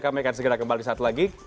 kami akan segera kembali saat lagi